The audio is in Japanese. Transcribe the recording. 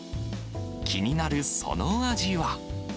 気になるその味は。